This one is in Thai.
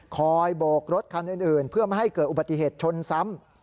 โบกรถคันอื่นเพื่อไม่ให้เกิดอุบัติเหตุชนซ้ำ